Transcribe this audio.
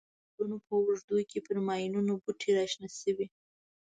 د کلونو په اوږدو کې پر ماینونو بوټي را شنه شوي.